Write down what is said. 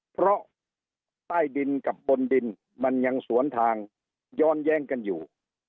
เพราะใต้ดินกับบนดินมันยังสวนทางย้อนแย้งกันอยู่